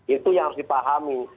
itu yang harus dipahami